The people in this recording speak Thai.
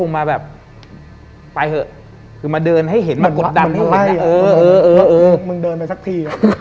มึงเดินไปสักที